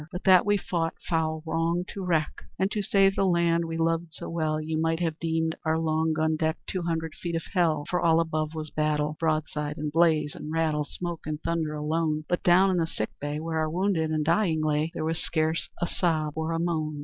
"But that we fought foul wrong to wreck, And to save the land we loved so well, You might have deemed our long gun deck Two hundred feet of hell! For all above was battle, Broadside, and blaze, and rattle, Smoke and thunder alone; But down in the sick bay, Where our wounded and dying lay, There was scarce a sob or a moan.